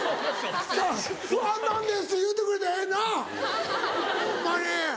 「ファンなんです」って言うてくれたらええなホンマに。